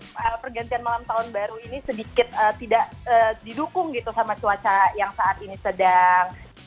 karena pergantian malam tahun baru ini sedikit tidak didukung gitu sama cuaca yang saat ini sedang